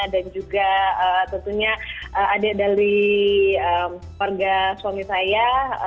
dan juga tentunya adik dari warga suami saya